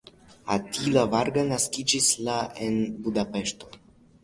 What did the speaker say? Attila Varga naskiĝis la en Budapeŝto.